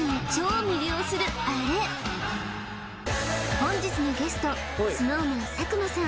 本日のゲストＳｎｏｗＭａｎ佐久間さん